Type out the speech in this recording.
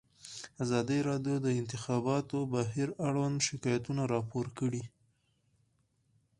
ازادي راډیو د د انتخاباتو بهیر اړوند شکایتونه راپور کړي.